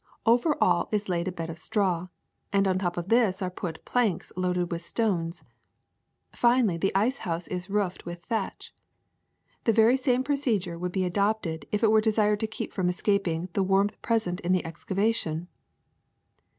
Over all is laid a bed of straw, and on top of this are put planks loaded with stones. Finally the ice house is roofed with thatch. The very same procedure would be adopted if it were desired to keep from escaping the warmth present in the excavation.'